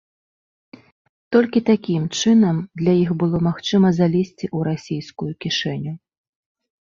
Толькі такім чынам для іх было магчыма залезці ў расійскую кішэню.